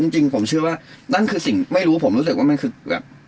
จริงผมเชื่อว่านั่นคือสิ่งไม่รู้ผมรู้สึกว่ามันคือแบบ